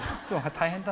大変だ。